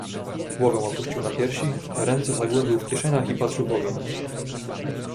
"Głowę opuścił na piersi, ręce zagłębił w kieszeniach i patrzył w ogień."